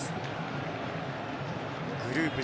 グループＣ